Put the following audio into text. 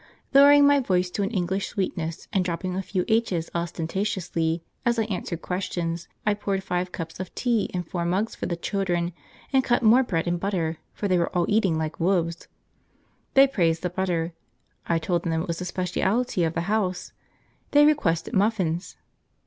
Lowering my voice to an English sweetness, and dropping a few h's ostentatiously as I answered questions, I poured five cups of tea, and four mugs for the children, and cut more bread and butter, for they were all eating like wolves. They praised the butter. I told them it was a specialty of the house. They requested muffins.